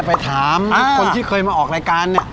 ไปถามคนที่เคยมาออกรายการเนี่ย